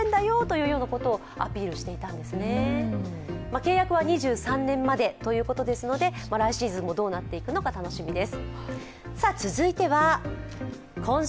契約は２３年までということですので来シーズンもどうなっていくのか楽しみです。